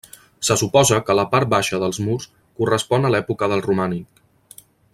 Se suposa que la part baixa dels murs correspon a l'època del romànic.